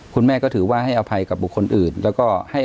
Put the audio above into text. คุณแม่ก็ถือว่าให้อภัยกับบุคคลอื่นแล้วก็ให้